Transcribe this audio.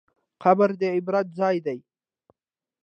قبر د عبرت ځای دی.